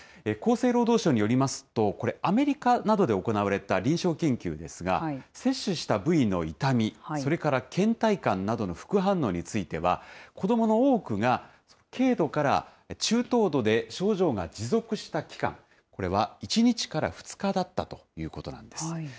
厚生労働省によりますと、これ、アメリカなどで行われた臨床研究ですが、接種した部位の痛み、それからけん怠感などの副反応については、子どもの多くが軽度から中等度で症状が持続した期間、これは１日から２日だったということなんです。